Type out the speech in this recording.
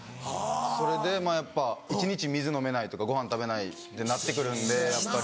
それでまぁやっぱ一日水飲めないとかごはん食べないってなって来るんでやっぱり。